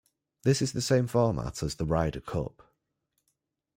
This is the same format as the Ryder Cup.